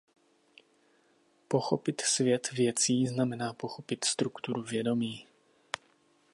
Pochopit svět věcí znamená pochopit strukturu vědomí.